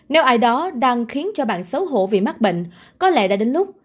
nếu ai đó đang khiến cho bạn xấu hổ vì mắc bệnh có lẽ đã đến lúc